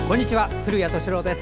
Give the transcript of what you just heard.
古谷敏郎です。